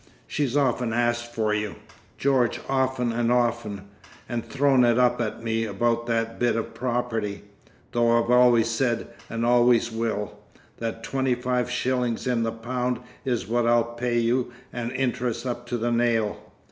She's often asked for you, George often and often, and thrown it up at me about that bit of property—though I've always said and always will, that twenty five shillings in the pound is what I'll pay you and interest up to the nail.